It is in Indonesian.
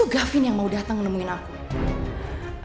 aduh jangan jangan dia gak baca whatsapp yang aku kirim